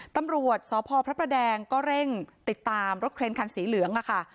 ตำรวจสพพระประแดงก็เร่งติดตามรถเครนคันสีเหลืองค่ะ